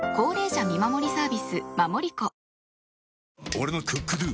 俺の「ＣｏｏｋＤｏ」！